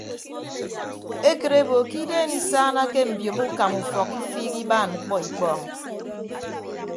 Ekịt ebo ke ideen isaanake mbiomo ukama ufọk ifiik ibaan ikpọọñ.